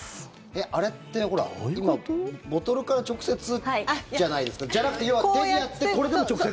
あれってほら今ボトルから直接じゃないですかじゃなくて、要は出るやつでこれでも直接？